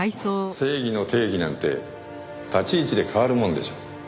正義の定義なんて立ち位置で変わるもんでしょ。